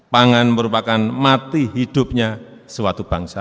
pangan merupakan mati hidupnya suatu bangsa